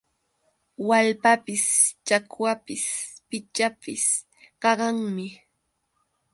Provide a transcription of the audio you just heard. Waalpapis, chakwapis, pichwsapis qaqanmi.